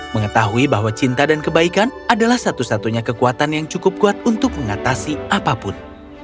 mengetahui bahwa cinta dan kebaikan adalah satu satunya kekuatan yang cukup kuat untuk mengatasi apapun